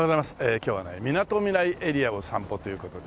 今日はねみなとみらいエリアを散歩という事で。